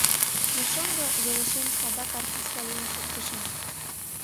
Но шоҥго велешем садак артистка лийын шуктышым.